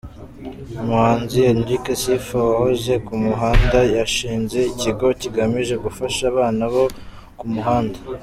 Umuhanzi Enric Sifa wahoze ku muhanda, yashinze ikigo kigamije gufasha abana bo ku muhanda.